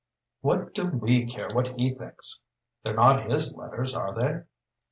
"What do we care what he thinks? They're not his letters, are they?